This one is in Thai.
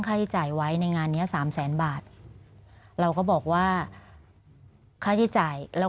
ค่าที่จ่ายไว้ในงานนี้๓๐๐บาทเราก็บอกว่าค่าที่จ่ายแล้ว